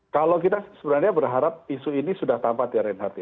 kalau kita sebenarnya berharap isu ini sudah tamat ya renhard